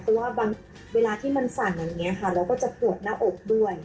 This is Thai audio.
เพราะว่าบางเวลาที่มันสั่นอย่างนี้ค่ะเราก็จะปวดหน้าอกด้วย